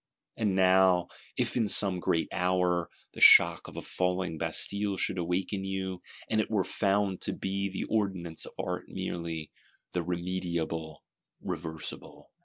And now, if in some great hour, the shock of a falling Bastille should awaken you; and it were found to be the ordinance of Art merely; and remediable, reversible!